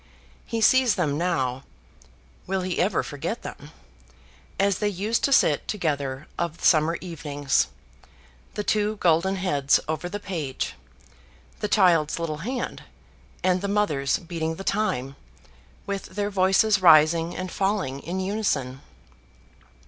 He sees them now (will he ever forget them?) as they used to sit together of the summer evenings the two golden heads over the page the child's little hand, and the mother's beating the time, with their voices rising and falling in unison.